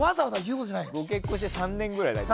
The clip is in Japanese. ご結婚して３年くらいだっけ？